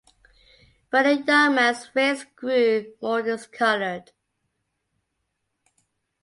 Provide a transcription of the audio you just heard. But the young man’s face grew more discoloured.